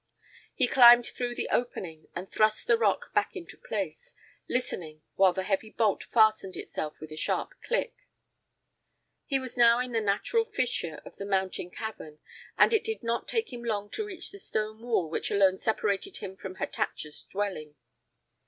He climbed through the opening and thrust the rock back into place, listening while the heavy bolt fastened itself with a sharp click. He was now in the natural fissure of the mountain cavern, and it did not take him long to reach the stone wall which alone separated him from Hatatcha's dwelling.